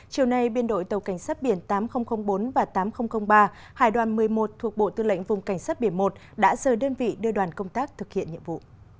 chiều nay biên đội tàu cảnh sát biển tám nghìn bốn và tám nghìn ba hải đoàn một mươi một thuộc bộ tư lệnh vùng cảnh sát biển một đã rời đơn vị đưa đoàn công tác thực hiện nhiệm vụ